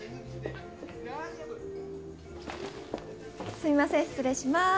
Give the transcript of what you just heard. すみません失礼します。